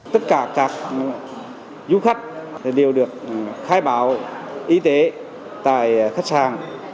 tất cả các du khách đều được khai báo y tế tại khách hàng